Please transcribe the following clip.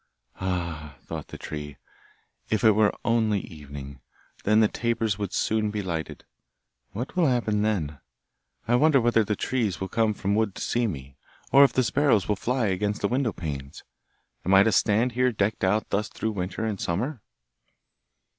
'Ah!' thought the tree, 'if it were only evening! Then the tapers would soon be lighted. What will happen then? I wonder whether the trees will come from the wood to see me, or if the sparrows will fly against the window panes? Am I to stand here decked out thus through winter and summer?